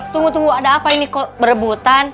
tunggu tunggu ada apa ini kok berebutan